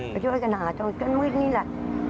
ไปช่วยกันหาจนมืดนี่แหละ